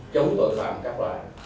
chống tội phạm các loại